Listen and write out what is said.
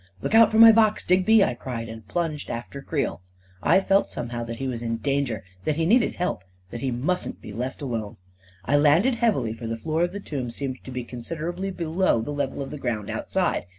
" Look out for my box, Digby," I cried, and plunged after Creel. I felt somehow that he was in danger — that he needed help — that he mustn't be left alone. I landed heavily, for the floor of the tomb seemed to be considerably below the level of the ground outside.